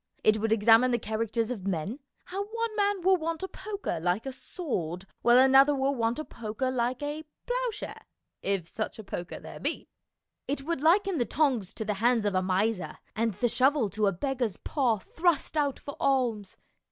It would examine the characters of men, how one man will want a poker like a sword while another will want a poker like a ploughshare if such a poker there be. It would liken the tongs to the hands of a miser, and the shovel to a beggar's paw thrust out for alms.